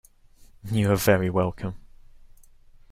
You are very welcome.